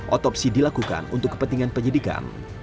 otopsi dilakukan untuk kepentingan penyidikan